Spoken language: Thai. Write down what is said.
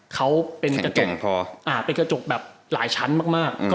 เขาเป็นกระจกหลายชั้นมาก